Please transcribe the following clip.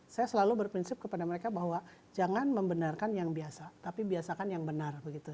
saya selalu berprinsip kepada mereka bahwa jangan membenarkan yang biasa tapi biasakan yang benar begitu